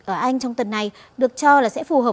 ở anh trong tuần này được cho là sẽ phù hợp